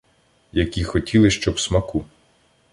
Які хотіли, щоб смаку